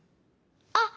あっ！